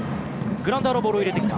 グラウンダーのボールを入れてきた。